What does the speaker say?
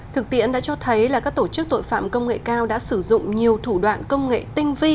thực tiễn đã cho thấy là các tổ chức tội phạm công nghệ cao đã sử dụng nhiều thủ đoạn công nghệ tinh vi